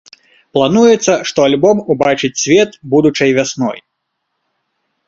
Плануецца, што альбом убачыць свет будучай вясной.